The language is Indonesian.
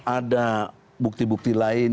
ada bukti bukti lain